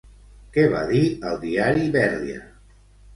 Què va dir al diari Berria?